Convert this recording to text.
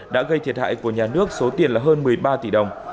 đã gây thiệt hại của nhà nước số tiền là hơn một mươi ba tỷ đồng